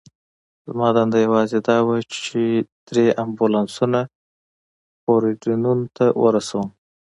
زما دنده یوازې دا وه، چې درې امبولانسونه پورډینون ته ورسوم.